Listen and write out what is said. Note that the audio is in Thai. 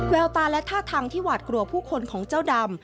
แววตาและท่าทางที่หวาดกลัวผู้คนของเจ้าดำ